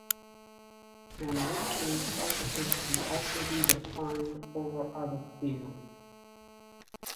Enriques surfaces can also be defined over other fields.